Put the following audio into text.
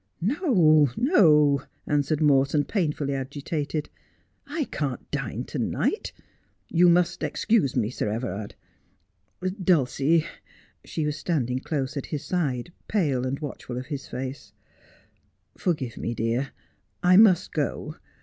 ' No, no,' answered Morton, painfully agitated. ' I can't dine to night. You must excuse me, Sir Everard. Dulcie !'— she was standing close at his side, pale, and watchful of his face —' forgive me, dear. I must go.